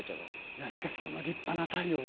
いやしかしこの立派な鯛をね。